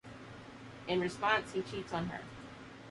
In response, he cheats on her.